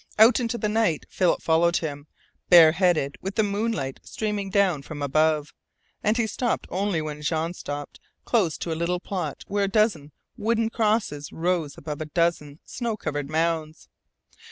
Out into the night Philip followed him, bare headed, with the moonlight streaming down from above; and he stopped only when Jean stopped, close to a little plot where a dozen wooden crosses rose above a dozen snow covered mounds.